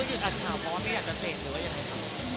คุณสัมผัสดีครับ